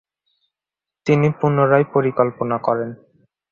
তিনি পুনরায় পরিকল্পনা করেন।